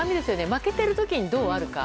負けている時にどうあるか。